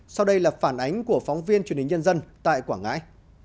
sau đây là phản ánh của phóng viên truyền hình nhân dân tại quảng ngãi